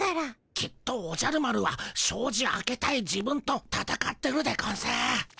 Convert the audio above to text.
きっとおじゃる丸はしょうじ開けたい自分とたたかってるでゴンス。